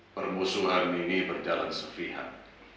permusuhan ini berjalan sepihan